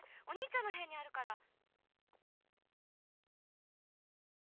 お兄ちゃんの部屋にあるから。